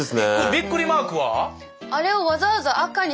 ビックリマークは？え？